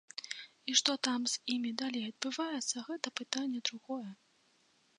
І што там з імі далей адбываецца, гэта пытанне другое.